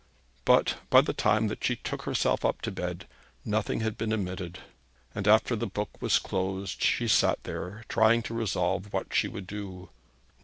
But by the time that she took herself up to bed, nothing had been omitted. And after the book was closed she sat there, trying to resolve what she would do.